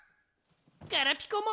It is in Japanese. ガラピコも。